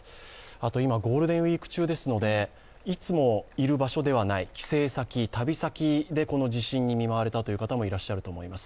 あと今、ゴールデンウイーク中ですので、いつもいる場所ではない帰省先、旅先でこの地震に見舞われたという方もいらっしゃると思います。